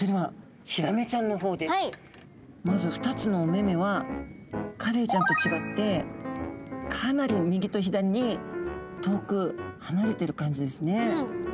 まず２つのお目々はカレイちゃんと違ってかなり右と左に遠く離れてる感じですね。